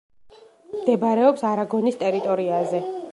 მდებარეობს არაგონის ტერიტორიაზე.